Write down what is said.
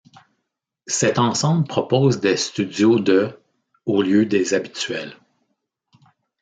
Cet ensemble propose des studios de au lieu des habituels.